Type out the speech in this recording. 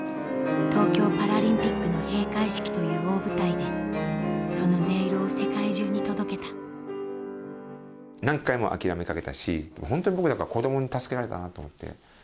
東京パラリンピックの閉会式という大舞台でその音色を世界中に届けた何回も諦めかけたしホントに僕だから子供に助けられたなと思って。